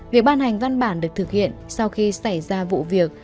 việc ban hành văn bản được thực hiện sau khi xảy ra vụ việc